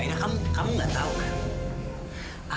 aida aida kamu nggak tahu kan